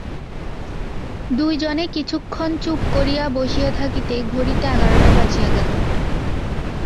দুইজনে কিছুক্ষণ চুপ করিয়া বসিয়া থাকিতে ঘড়িতে এগারোটা বাজিয়া গেল।